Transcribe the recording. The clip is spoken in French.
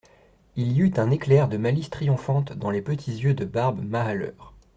Il y eut un éclair de malice triomphante dans les petits yeux de Barbe Mahaleur.